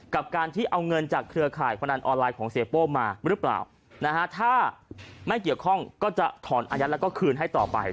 กับการที่เอาเงินจากเครือข่ายพนันออนไลน์ของเสียโป้มาหรือเปล่านะฮะถ้าไม่เกี่ยวข้องก็จะถอนอายัดแล้วก็คืนให้ต่อไป